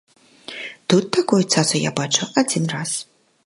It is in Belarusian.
Тут такую цацу я бачыў адзін раз.